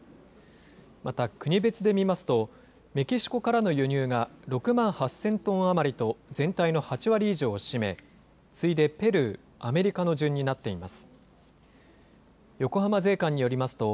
また、国別で見ますと、メキシコからの輸入が６万８０００トン余りと、全体の８割以上を占め、次いでペルー、アメリカの順になっています。